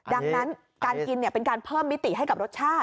ดังนั้นการกินเป็นการเพิ่มมิติให้กับรสชาติ